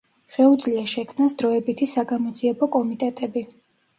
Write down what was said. შეუძლია შექმნას დროებითი საგამოძიებო კომიტეტები.